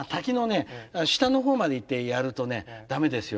下の方まで行ってやるとね駄目ですよ。